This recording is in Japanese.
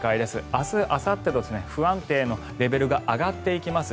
明日、あさってと不安定のレベルが上がっていきます。